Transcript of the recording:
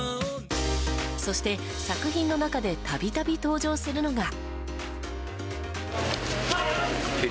そして、作品の中で度々登場するのが。